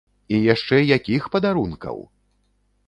І яшчэ якіх падарункаў!